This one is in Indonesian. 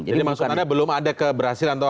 jadi maksud anda belum ada keberhasilan atau